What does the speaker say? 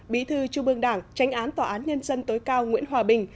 bí thư trung ương đảng tránh án tòa án nhân dân tối cao nguyễn hòa bình